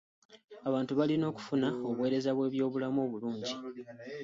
Abantu balina okufuna obuweereza bw'ebyobulamu obulungi.